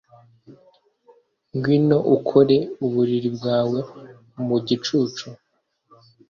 Ngwino ukore uburiri bwawe mu gicucu